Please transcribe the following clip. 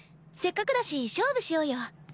せっかくだし勝負しようよ。